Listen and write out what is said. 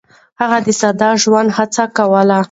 هغه د ساده ژوند هڅه کوله.